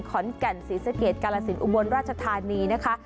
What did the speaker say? ขอนแก่นศรีสะเกดกาลสินอุบลราชธานีนะคะ